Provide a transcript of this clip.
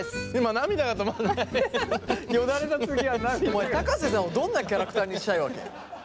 お前瀬さんをどんなキャラクターにしたいわけ？